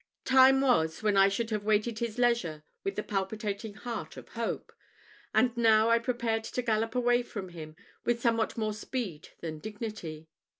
Time was when I should have waited his leisure with the palpitating heart of hope, and now I prepared to gallop away from him with somewhat more speed than dignity.